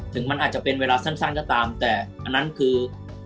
ถึงมันอาจจะเป็นเวลาสั้นก็ตามแต่อันนั้นคือ